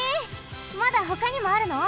まだほかにもあるの！？